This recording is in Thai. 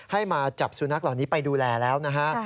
ให้มาจับสุนัขเหล่านี้ไปดูแลแล้วนะฮะ